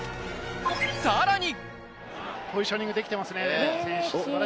さらに。